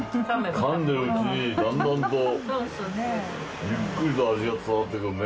かんでるうちにだんだんとゆっくりと味が伝わってくるね。